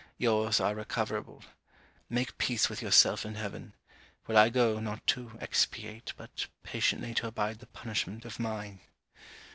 Your's are recoverable. Make peace with yourself and heaven; while I go, not to expiate, but patiently to abide the punishment of mine.